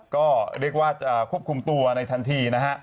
ก็เรียกว่าจะควบคุมตัวในทันทีนะฮะ